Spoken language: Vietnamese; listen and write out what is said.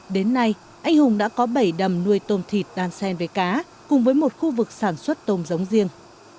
đến nay anh hùng đã có bảy đầm nuôi tôm thịt đan sen với cá cùng với một khu vực sản xuất tôm giống riêng